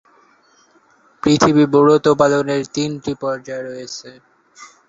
পৃথিবী ব্রত পালনের তিনটি পর্যায় আছে।